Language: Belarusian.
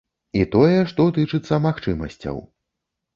І тое, што тычыцца магчымасцяў.